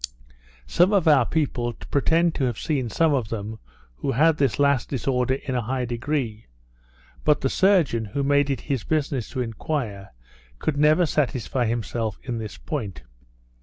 Some of our people pretend to have seen some of them who had this last disorder in a high degree, but the surgeon, who made it his business to enquire, could never satisfy himself in this point.